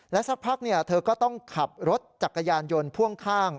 สักพักเธอก็ต้องขับรถจักรยานยนต์พ่วงข้าง